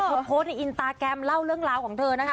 โพสต์ในอินสตาแกรมเล่าเรื่องราวของเธอนะคะ